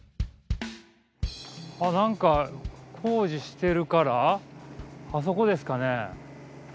なんか工事してるからあそこですかね。